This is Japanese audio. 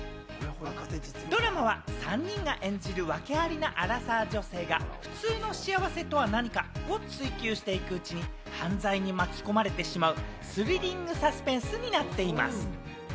ドラマは３人が演じる、訳ありなアラサー女性が、普通の幸せとは何かを追求していくうちに、犯罪に巻き込まれてしまうスリリングサスペンスになっています。